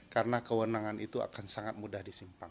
karena kewenangan itu akan sangat mudah disimpang